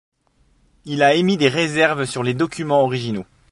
Il a émis des réserves sur les documents originaux.